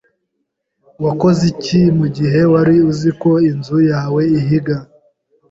Wakoze iki mugihe wari uzi ko inzu yawe ihiga?